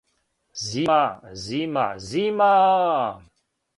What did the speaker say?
Зима, Зима, Зимааа